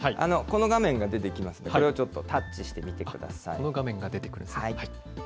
この画面が出てきますので、これをちょっとタッチしてみてくださこの画面が出てくるんですね。